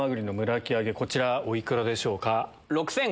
こちらお幾らでしょうか？